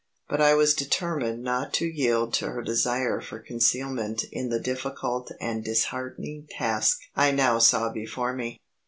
But I was determined not to yield to her desire for concealment in the difficult and disheartening task I now saw before me.